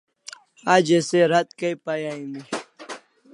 A ze se thi rat kay pay aimi